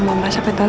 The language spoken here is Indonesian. gak pernah identified